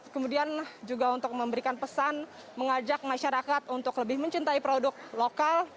kemudian juga untuk memberikan pesan mengajak masyarakat untuk lebih mencintai produk lokal